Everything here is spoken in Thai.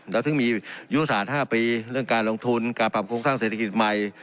แล้วถึงมียุทธศาสตร์๕ปีเรื่องการลงทุนการปรับโครงสร้างเศรษฐกิจใหม่